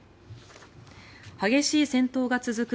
激しい戦闘が続く